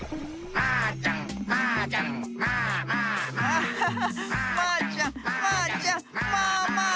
マーちゃんマーちゃんマーマーマー！